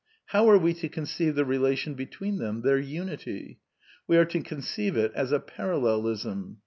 How are we to conceive the relation between them — their unity ? We are to conceive it as a parallelism.